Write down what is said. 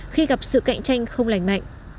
khi gặp sự cạnh tranh không lành mạnh